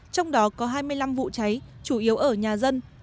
trong đó có hai mươi năm vụ cháy chủ yếu ở nhà dân